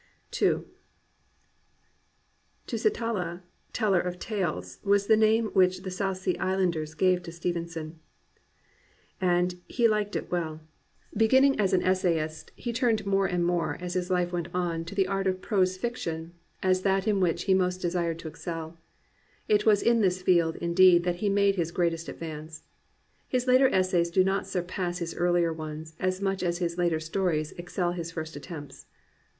II Tusitala,— " Teller of Tales,"— ^as the name which the South Sea Islanders gave to Stevenson; and he liked it well. Beginning as an essayist, he 377 COMPANIONABLE BOOKS turned more and more, as his life went on, to the art of prose fiction as that in which he most desired to excel. It was in this field, indeed, that he made his greatest advance. His later essp fo^, do not surpass his earlier ones as much as his later stories excel his first attempts.